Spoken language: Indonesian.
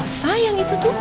elsa yang itu tuh